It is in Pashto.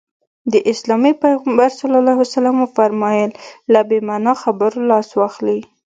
د اسلام پيغمبر ص وفرمايل له بې معنا خبرو لاس واخلي.